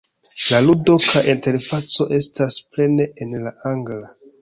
La ludo kaj interfaco estas plene en la Angla.